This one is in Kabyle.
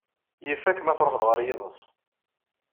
Yif-ak ma truḥeḍ ɣer yiḍes.